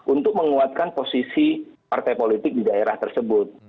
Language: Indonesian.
untuk menguatkan posisi partai politik di daerah tersebut